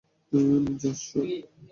Just, sir!